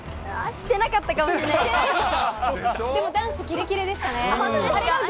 してなかったかもしれないででしょう？